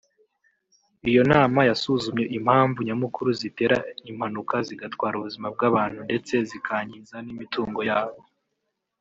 Iyo nama yasuzumye impamvu nyamukuru zitera impanuka zigatwara ubuzima bw’abantu ndetse zikangiza n’imitungo yabo